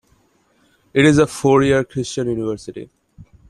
It is a four-year Christian university.